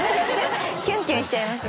キュンキュンしちゃいますね。